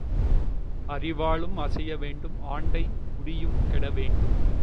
அரிவாளும் அசைய வேண்டும் ஆண்டை குடியும் கெடவேண்டும்.